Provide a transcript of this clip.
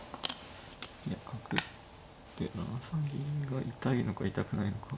いや角打って７三銀が痛いのか痛くないのか。